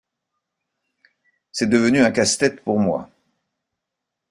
C’est devenu un casse-tête pour moi.